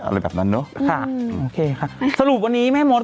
กลับอะไรล่ะข้อศอกเหรอ